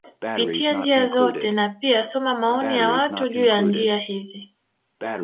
Pitia njia zote na pia soma maoni ya watu juu ya njia hizi